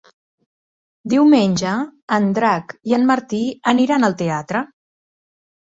Diumenge en Drac i en Martí aniran al teatre.